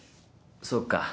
そっか。